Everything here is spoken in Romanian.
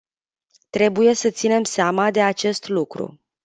Trebuie să ținem seama de acest lucru.